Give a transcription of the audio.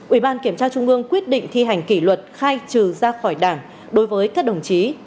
năm ubnd tp hcm quyết định thi hành kỷ luật khai trừ ra khỏi đảng đối với các đồng chí